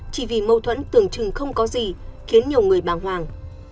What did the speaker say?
chỉ vì mâu thuẫn tưởng chừng không có gì khiến nhiều người bàng hoàng